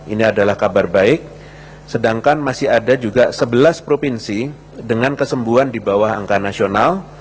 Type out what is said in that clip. ini adalah kabar baik sedangkan masih ada juga sebelas provinsi dengan kesembuhan di bawah angka nasional